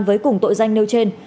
với cùng tội danh nêu trên